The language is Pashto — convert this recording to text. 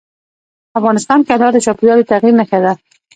افغانستان کې انار د چاپېریال د تغیر نښه ده.